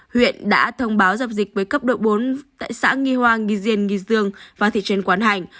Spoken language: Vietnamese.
huyện đã thông báo dập dịch với cấp độ bốn tại xã nghi hoa nghi diên nghi dương và thị trấn quán hành